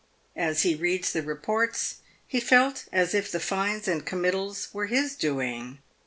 As he read the reports, he felt as if the fines and committals were his doing.